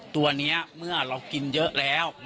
ตัวนี้เมื่อเรากินเยอะแล้ว